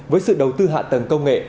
với sự đầu tư hạ tầng công nghệ